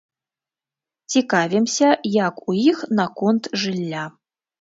Цікавімся, як у іх наконт жылля.